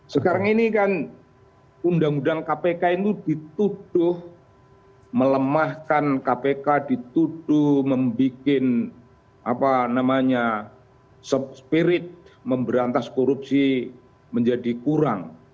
sekarang ini kan undang undang kpk itu dituduh melemahkan kpk dituduh membuat spirit memberantas korupsi menjadi kurang